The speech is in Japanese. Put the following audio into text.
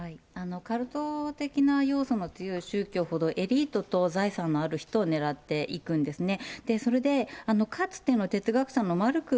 カルト的な要素の強い宗教ほど、エリートと財産のある人を狙っていくんですね。